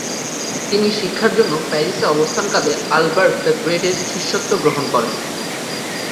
তিনি শিক্ষার জন্য প্যারিসে অবস্থান কালে আলবার্ট দ্য গ্রেট-এর শিষ্যত্ব গ্রহণ করেন।